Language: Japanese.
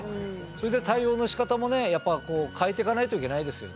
それで対応のしかたもやっぱ変えていかないといけないですよね。